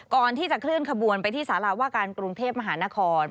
ก่อนที่จะเคลื่อนขบวนไปที่สาราว่าการกรุงเทพมหานคร